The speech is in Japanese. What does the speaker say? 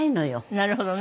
なるほどね。